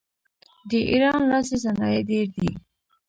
د ایران لاسي صنایع ډیر دي.